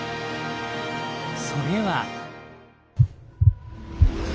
それは。